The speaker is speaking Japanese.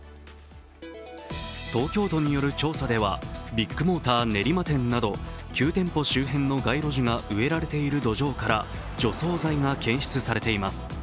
東京都による調査ではビッグモーター練馬店など、９店舗周辺の街路樹が植えられている土壌から除草剤が検出されています。